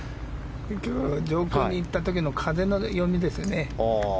上空にいった時の風の読みですよね。